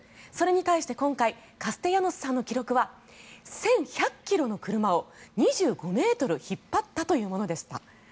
それに対して今回、カステヤノスさんの記録は１１００ｋｇの車を２５ｍ引っ張ったというものでした。